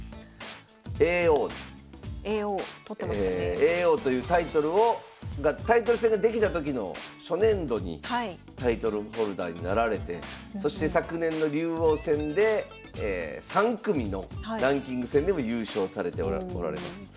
叡王というタイトルをがタイトル戦ができた時の初年度にタイトルホルダーになられてそして昨年の竜王戦で３組のランキング戦でも優勝されておられます。